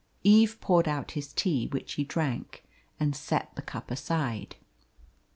Eve poured out his tea, which he drank, and set the cup aside.